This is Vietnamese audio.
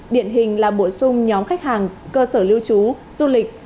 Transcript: điện hình là bổ sung nhóm khách hàng cơ sở lưu trú du lịch